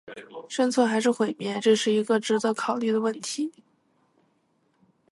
生存还是毁灭，这是一个值得考虑的问题